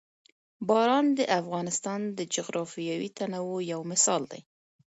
باران د افغانستان د جغرافیوي تنوع یو مثال دی.